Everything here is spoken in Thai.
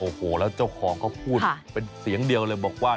โอ้โหแล้วเจ้าของเขาพูดเป็นเสียงเดียวเลยบอกว่า